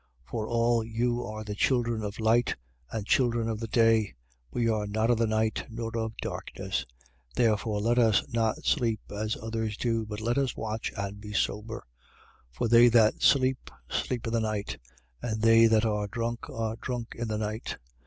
5:5. For all you are the children of light and children of the day: we are not of the night nor of darkness. 5:6. Therefore, let us not sleep, as others do: but let us watch, and be sober. 5:7. For they that sleep, sleep in the night; and they that are drunk, are drunk in the night.